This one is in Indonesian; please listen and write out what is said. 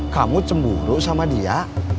kamu cemburu sama dia